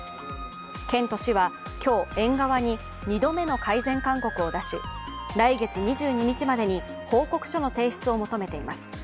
県と市は今日園側に２度目の改善勧告を出し来月２２日までに報告書の提出を求めています。